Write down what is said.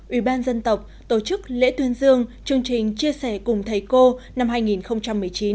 ủy ban dân tộc tổ chức lễ tuyên dương chương trình chia sẻ cùng thầy cô năm hai nghìn một mươi chín